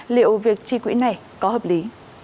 liệu việc chi quý này có hợp lý